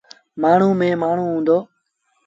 مآڻهوٚݩ ميݩ مآڻهوٚݩ هُݩدو۔